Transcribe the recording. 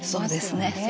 そうですね。